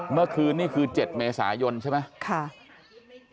เมื่อคืนนี้คือ๗เมษายนใช่ไหม